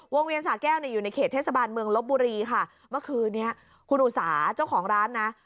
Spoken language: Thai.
เวียนสาแก้วเนี่ยอยู่ในเขตเทศบาลเมืองลบบุรีค่ะเมื่อคืนนี้คุณอุสาเจ้าของร้านนะ